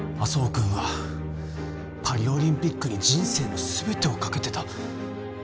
君はパリオリンピックに人生のすべてをかけてた